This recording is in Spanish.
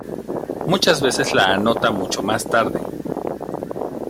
Muchas veces la anota mucho más tarde.